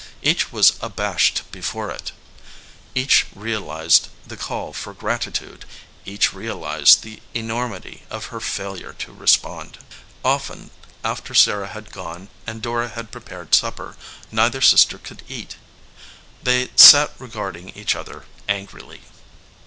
Each was abashed before it. Each realized the call for gratitude, each realized the enormity of her failure to respond. Often after Sarah had gone, and Dora had pre 78 VALUE RECEIVED pared supper, neither sister could eat. They sat regarding each other angrily.